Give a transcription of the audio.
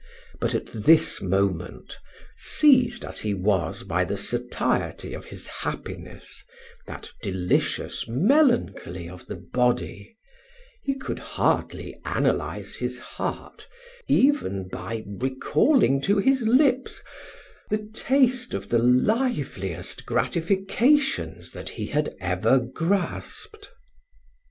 But at this moment, seized as he was by the satiety of his happiness, that delicious melancholy of the body, he could hardly analyze his heart, even by recalling to his lips the taste of the liveliest gratifications that he had ever grasped.